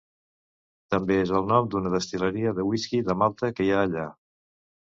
També és el nom d'una destil·leria de whisky de malta que hi ha allà.